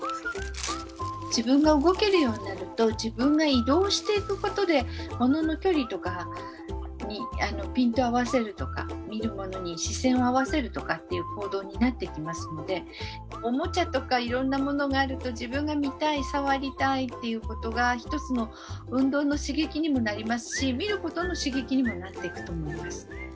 自分が動けるようになると自分が移動していくことでものの距離とかにピントを合わせるとか見るものに視線を合わせるとかっていう行動になってきますのでおもちゃとかいろんなものがあると自分が見たい触りたいということが一つの運動の刺激にもなりますし見ることの刺激にもなっていくと思います。